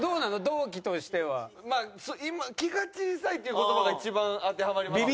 同期としては。っていう言葉が一番当てはまりますね。